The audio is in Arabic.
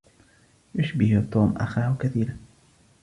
يشبه توم أخاه كثيرا.